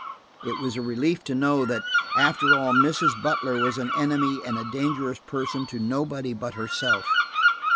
It was a relief to know that, after all, Mrs. Butler was an enemy and a dangerous person to nobody but herself.